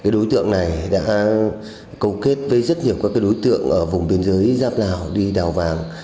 đối tượng này đã câu kết với rất nhiều các đối tượng ở vùng biên giới giáp lào đi đào vàng